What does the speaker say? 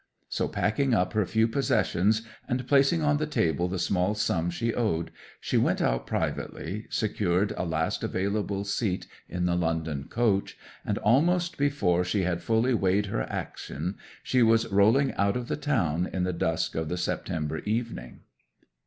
So packing up her few possessions and placing on the table the small sum she owed, she went out privately, secured a last available seat in the London coach, and, almost before she had fully weighed her action, she was rolling out of the town in the dusk of the September evening.